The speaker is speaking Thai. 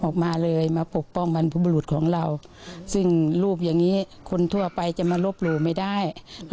ก็รับไม่ได้